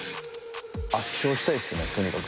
圧勝したいですよねとにかく。